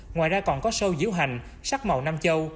ngoài ra còn có show diễu hành sắc màu nam châu